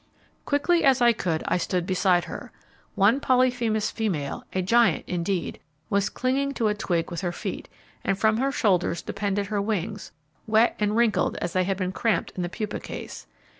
Quickly as I could I stood beside her. One Polyphemus female, a giant indeed, was clinging to a twig with her feet, and from her shoulders depended her wings, wet, and wrinkled as they had been cramped in the pupa case.